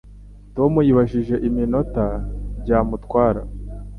Tom yibajije iminota byamutwara